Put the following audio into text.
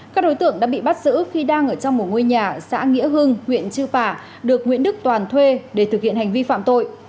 các đối tượng đã bị bắt giữ khi đang ở trong một ngôi nhà xã nghĩa hưng huyện chư pả được nguyễn đức toàn thuê để thực hiện hành vi phạm tội